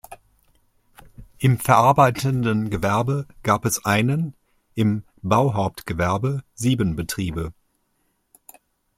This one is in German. Im verarbeitenden Gewerbe gab es einen, im Bauhauptgewerbe sieben Betriebe.